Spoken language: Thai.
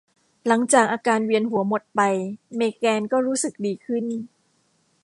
หลังจากอาการเวียนหัวหมดไป เมแกนก็รู้สึกดีขึ้น